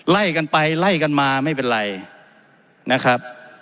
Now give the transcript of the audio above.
ไล่กันไปไล่กันมาไม่เป็นไรนะครับ